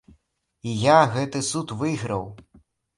І я гэты суд выйграў.